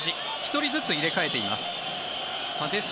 １人ずつ入れ替えています。